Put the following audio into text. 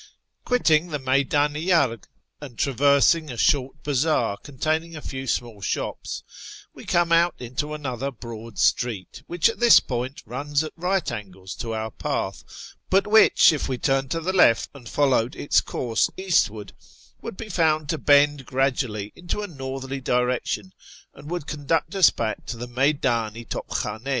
Quitting the Mcyddn i Arg, and traversing a short bazaar containing a few small shops, we come out into another broad street, wliich at this point runs at right angles to our path, but which, if we turned to the left and followed its course eastwards, would be found to bend gradually into a northerly direction, and would conduct us back to the 3fcyddn i To2}Midn4.